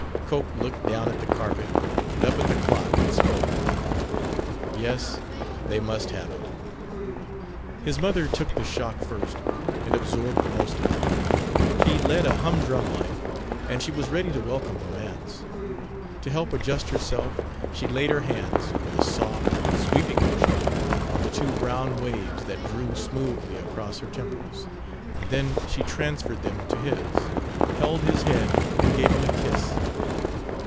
Cope looked down at the carpet and up at the clock, and spoke. Yes, they must have it. His mother took the shock first and absorbed most of it. She led a humdrum life and she was ready to welcome romance. To help adjust herself she laid her hands, with a soft, sweeping motion, on the two brown waves that drew smoothly across her temples, and then she transferred them to his, held his head, and gave him a kiss.